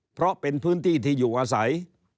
เพราะเป็นพื้นที่ที่อยู่อาศัย